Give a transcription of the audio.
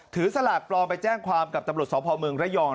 สลากปลอมไปแจ้งความกับตำรวจสพเมืองระยอง